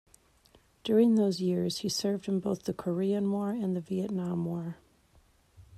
During those years, he served in both the Korean War and Vietnam War.